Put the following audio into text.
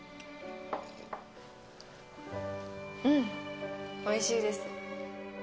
うん、おいしいです。